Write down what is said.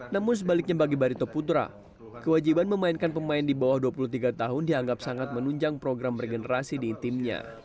namun sebaliknya bagi barito putra kewajiban memainkan pemain di bawah dua puluh tiga tahun dianggap sangat menunjang program regenerasi di timnya